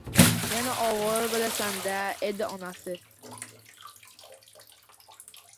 Yana ovora boʻlasan-da endi, onasi